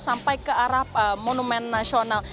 sampai ke arah monumen nasional